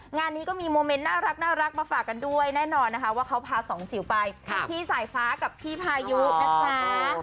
งานนี้ก็มีโมเมนต์น่ารักมาฝากกันด้วยแน่นอนนะคะว่าเขาพาสองจิ๋วไปพี่สายฟ้ากับพี่พายุนะจ๊ะ